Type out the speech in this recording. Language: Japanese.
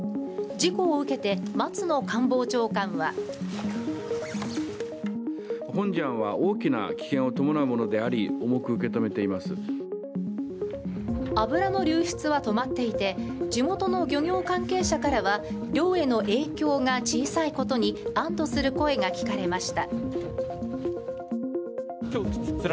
事故を受けて松野官房長官は油の流出は止まっていて、地元の漁業関係者からは漁への影響が小さいことに安どする声が聞かれました。